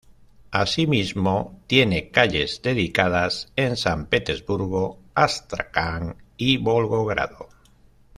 Asimismo, tiene calles dedicadas en San Petersburgo, Astracán y Volgogrado.